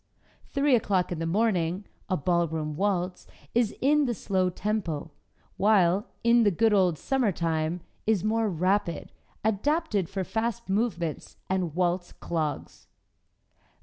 "Three o'Clock in the Morning," a ballroom waltz is in the slow tempo, while "In the Good Old Summertime" is more rapid, adapted for fast movements and waltz clogs.